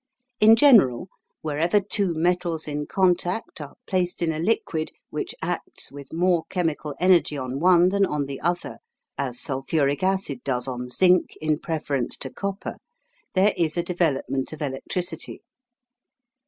In general, where ever two metals in contact are placed in a liquid which acts with more chemical energy on one than on the other, as sulphuric acid does on zinc in preference to copper, there is a development of electricity.